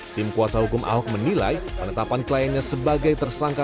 tim kuasa hukum ahok menilai penetapan kliennya sebagai tersangka